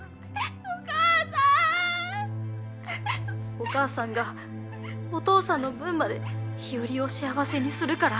お母さんがお父さんの分まで日和を幸せにするから。